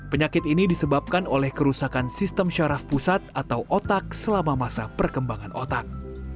penyakit ini disebabkan oleh kerusakan sistem syaraf pusat atau otak selama masa perkembangan otak